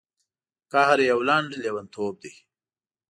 قهر یو لنډ لیونتوب دی.